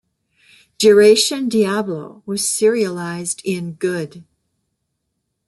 "Jiraishin Diablo" was serialized in "good!